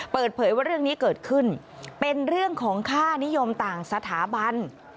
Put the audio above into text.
เปิดเผยว่าเรื่องนี้เกิดขึ้นเป็นเรื่องของค่านิยมต่างสถาบัน